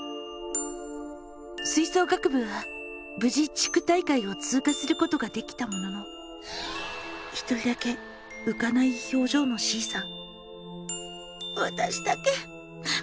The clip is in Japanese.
吹奏楽部は無事地区大会を通過することができたものの１人だけうかない表情のＣさん。